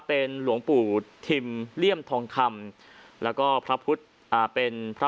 เป็นหลวงปู่ทิมเลี่ยมทองคำแล้วก็พระพุทธอ่าเป็นพระ